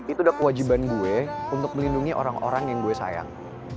itu udah kewajiban gue untuk melindungi orang orang yang gue sayang